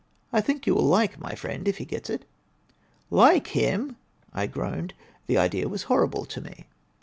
I think you will like my friend, if he gets it." "Like him!" I groaned. The idea was horrible to me.